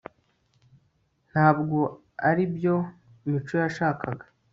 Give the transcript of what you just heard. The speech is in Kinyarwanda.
ntabwo aribyo mico yashakaga